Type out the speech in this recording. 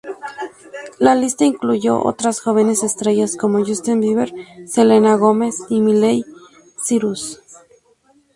La lista incluyó otras jóvenes estrellas como Justin Bieber, Selena Gomez y Miley Cyrus.